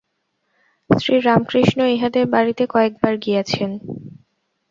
শ্রীরামকৃষ্ণ ইঁহাদের বাড়ীতে কয়েকবার গিয়াছেন।